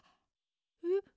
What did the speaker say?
えっ？